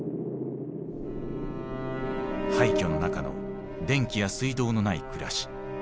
廃虚の中の電気や水道のない暮らし。